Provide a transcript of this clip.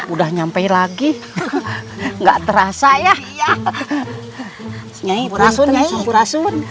udah nyampe lagi nggak terasa ya nyai berasun berasun